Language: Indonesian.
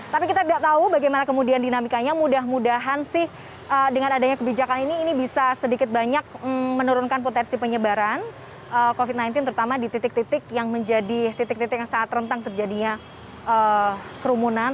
tapi kita tidak tahu bagaimana kemudian dinamikanya mudah mudahan sih dengan adanya kebijakan ini ini bisa sedikit banyak menurunkan potensi penyebaran covid sembilan belas terutama di titik titik yang menjadi titik titik yang sangat rentang terjadinya kerumunan